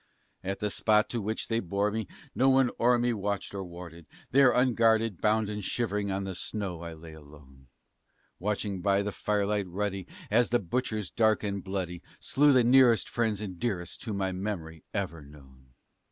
At the spot to which they bore me, no one o'er me watched or warded; There unguarded, bound and shivering, on the snow I lay alone; Watching by the firelight ruddy, as the butchers dark and bloody, Slew the nearest friends and dearest to my memory ever known.